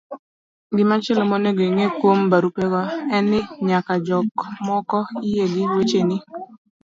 Gimachielo monego ing'e kuom barupego en ni nyaka jok moko yie gi wecheni